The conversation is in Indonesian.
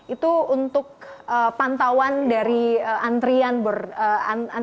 itu untuk pantauan dari antrian check in